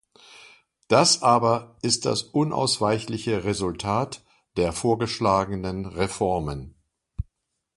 Das aber ist das unausweichliche Resultat der vorgeschlagenen Reformen.